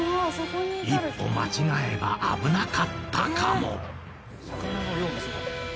一歩間違えば危なかったかも。